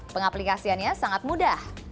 pengaplikasiannya sangat mudah